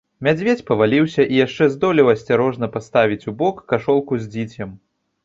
Мядзведзь паваліўся і яшчэ здолеў асцярожна паставіць убок кашолку з дзіцем.